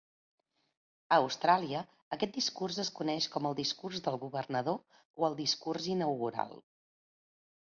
A Austràlia, aquest discurs es coneix com el "Discurs del governador" o el "discurs inaugural".